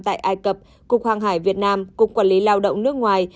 tại ai cập cục hàng hải việt nam cục quản lý lao động nước ngoài